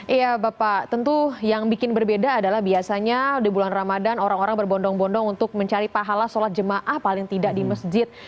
iya bapak tentu yang bikin berbeda adalah biasanya di bulan ramadan orang orang berbondong bondong untuk mencari pahala sholat jemaah paling tidak di masjid